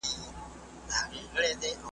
ته لا اوس هم ښکار کوې د مظلومانو ,